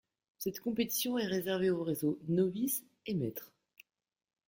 Cette compétition est réservée aux réseaux Novice et Maitre.